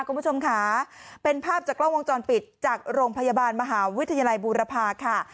คุณผู้ชมค่ะเป็นภาพจากกล้องวงจรปิดจากโรงพยาบาลมหาวิทยาลัยบูรพาค่ะ